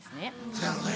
そやろね。